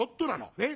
ねっ？